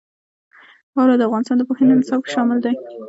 واوره د افغانستان د پوهنې نصاب کې شامل دي.